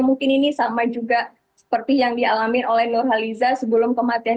mungkin ini sama juga seperti yang dialami oleh nurhaliza sebelum kematian